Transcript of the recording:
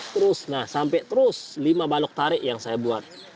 terus nah sampai terus lima balok tarik yang saya buat